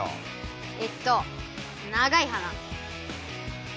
えっと「長いはな」。